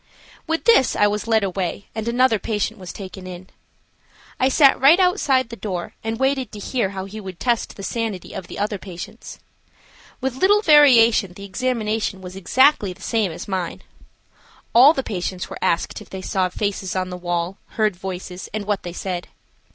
With this I was led away and another patient was taken in. I sat right outside the door and waited to hear how he would test the sanity of the other patients. With little variation the examination was exactly the same as mine. All the patients were asked if they saw faces on the wall, heard voices, and what they said.